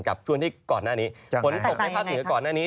กับช่วงที่ก่อนหน้านี้